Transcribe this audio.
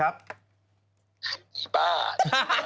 อันนี้ปวด